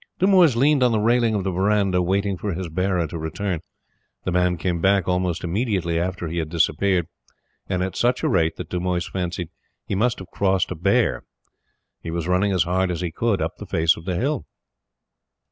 Dumoise leaned on the railing of the verandah, waiting for his bearer to return. The man came back almost immediately after he had disappeared, and at such a rate that Dumoise fancied he must have crossed a bear. He was running as hard as he could up the face of the hill.